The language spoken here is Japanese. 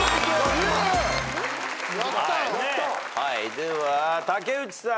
では竹内さん。